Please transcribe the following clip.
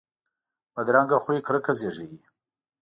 بدرنګه خوی کرکه زیږوي